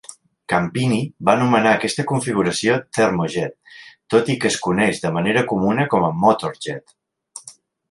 Campini va anomenar aquesta configuració "termo jet", tot i que es coneix de manera comuna com a "motor jet".